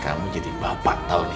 kamu jadi bapak tahun ini